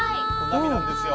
波なんですよ。